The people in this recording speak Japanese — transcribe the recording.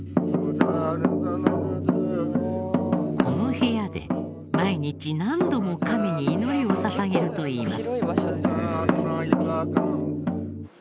この部屋で毎日何度も神に祈りを捧げるといいます